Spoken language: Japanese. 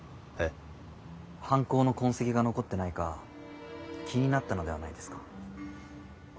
犯行の痕跡が残ってないか気になったのではないですか？